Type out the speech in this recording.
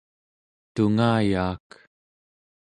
tungayaak